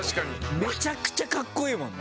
めちゃくちゃカッコいいもんね。